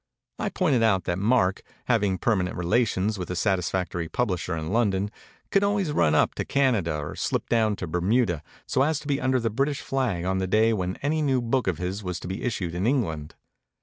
I pointed out that Mark, having permanent relations with a satisfactory publisher in London could always run up to Canada or slip down to Bermuda so as to be under the British flag on the day when any new book of his was to be issued in England.